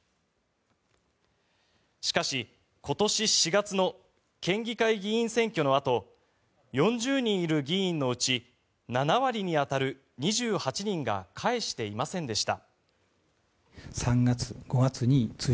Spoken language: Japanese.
しかし、今年４月の県議会議員選挙のあと４０人いる議員のうち７割に当たる２８人が返していませんでした。